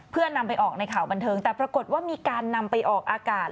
เพื่อนำไปออกในข่าวบันเทิงแต่ปรากฏว่ามีการนำไปออกอากาศ